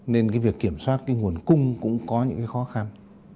nên việc kiểm soát nguồn cung cũng có những khó khăn